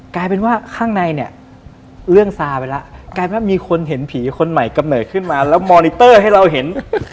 กลายเป็นว่าข้างในเนี่ยเรื่องซาไปแล้วกลายเป็นว่ามีคนเห็นผีคนใหม่กำเนิดขึ้นมาแล้วมอนิเตอร์ให้เราเห็น